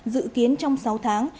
dự kiến trong sáu tháng